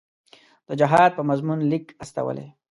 د جهاد په مضمون لیک استولی.